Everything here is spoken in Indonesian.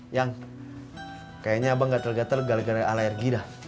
yang kayaknya abang gatel gatel gara gara alergi dah